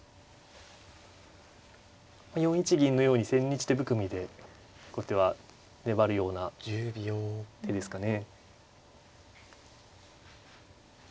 ４一銀のように千日手含みで後手は粘るような手ですかね。